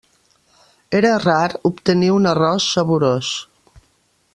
Era rar obtenir un arròs saborós.